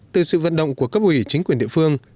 từ sự vận động của cấp ủy chính quyền địa phương